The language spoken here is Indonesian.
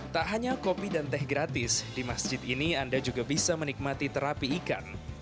tak hanya kopi dan teh gratis di masjid ini anda juga bisa menikmati terapi ikan